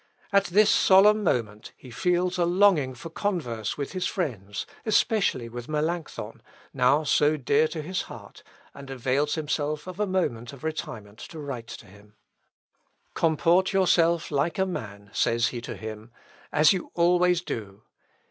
At this solemn moment, he feels a longing for converse with his friends, especially with Melancthon, now so dear to his heart, and avails himself of a moment of retirement to write him. "Comport yourself like a man," says he to him, "as you always do.